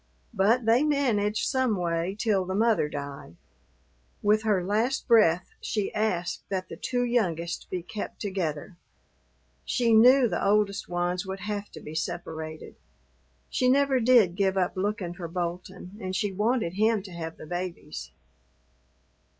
But they managed some way till the mother died. With her last breath she asked that the two youngest be kept together; she knew the oldest ones would have to be separated. She never did give up looking for Bolton and she wanted him to have the babies.